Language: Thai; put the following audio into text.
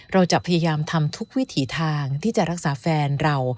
เราจะพยายามทำทุกวิถีทางที่จะรักษาแฟนเรา